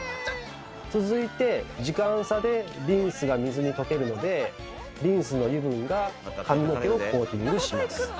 続いて時間差でリンスが水に溶けるのでリンスの油分が髪の毛をコーティングします。